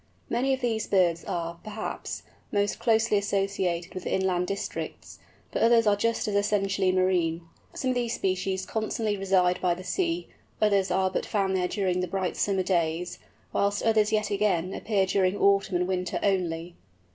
Many of these birds are, perhaps, most closely associated with inland districts, but others are just as essentially marine. Some of these species constantly reside by the sea, others are but found there during the bright summer days, whilst others yet again appear during autumn and winter only.